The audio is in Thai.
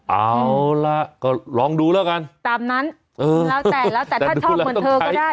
เอาล่ะก็ลองดูแล้วกันตามนั้นแล้วแต่แล้วแต่ถ้าชอบเหมือนเธอก็ได้